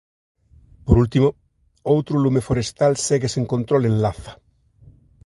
Por último, outro lume forestal segue sen control en Laza.